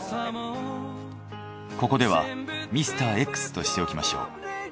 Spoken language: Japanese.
ここではミスターＸとしておきましょう。